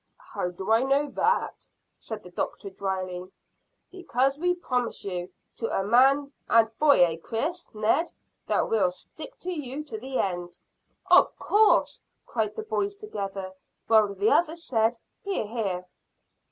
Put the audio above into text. "How do I know that?" said the doctor dryly. "Because we promise you, to a man and boy eh, Chris Ned? that we'll stick to you to the end." "Of course," cried the boys together; while the others said, "Hear, hear!"